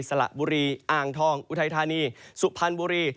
ละบุรีอ่างทองอุทัยธานีสุพรรณบุรี